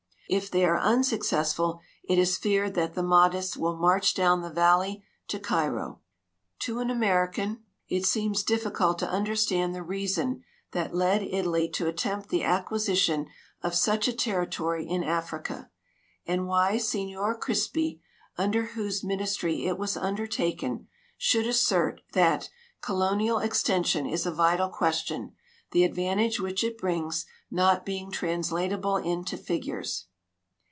If they are unsuccessful it is feared that the Mahdists will march down the valley to Cairo. To an American it seems difficult to understand the reason that led Italy to attempt the acquisition of such a territory in Africa, and why Signor Crispi, under whose ministry it was undertaken, should assert that " colonial extension is a vital question — the advantage which it brings not being translatable into figures."